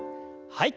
はい。